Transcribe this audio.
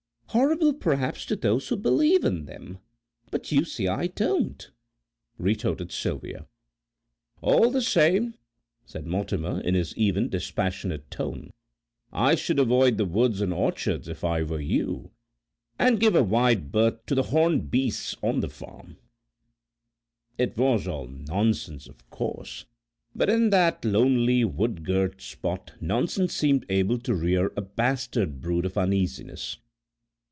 "Horrible perhaps to those that believe in them, but you see I don't," retorted Sylvia. "All the same," said Mortimer in his even, dispassionate tone, "I should avoid the woods and orchards if I were you, and give a wide berth to the horned beasts on the farm." It was all nonsense, of course, but in that lonely wood girt spot nonsense seemed able to rear a bastard brood of uneasiness.